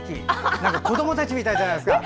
何か子どもたちみたいじゃないですか。